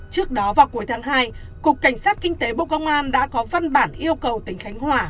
trước đó vào cuối tháng hai cục cảnh sát kinh tế bộ công an đã có văn bản yêu cầu tỉnh khánh hòa